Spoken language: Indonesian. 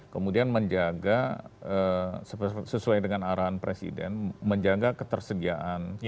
kemudian menjaga sesuai dengan arahan presiden menjaga ketersediaan